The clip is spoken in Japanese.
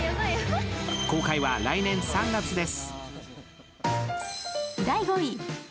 公開は来年３月です。